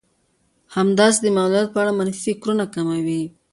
همداسې د معلوليت په اړه منفي فکرونه کموي.